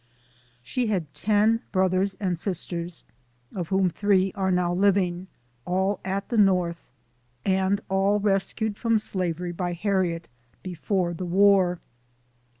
She had ten brothers and sisters, of whom three are now living, all at the North, and all rescued from slavery by Harriet, before the War.